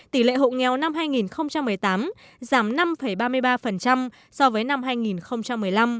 tỷ lệ hộ nghèo năm hai nghìn một mươi tám giảm năm ba mươi ba so với năm hai nghìn một mươi năm